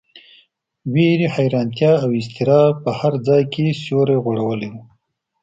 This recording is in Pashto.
وېرې، حیرانۍ او اضطراب په هر ځای کې سیوری غوړولی و.